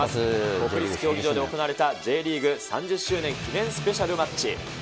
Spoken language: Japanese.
国立競技場で行われたＪリーグ３０周年記念スペシャルマッチ。